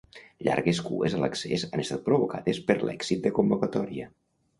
Llargues cues a l'accés han estat provocats per l'èxit de convocatòria.